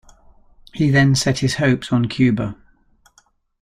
He then set his hopes on Cuba.